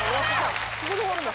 ここで終わるの？